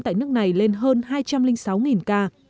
tại nước này lên hơn hai trăm linh sáu ca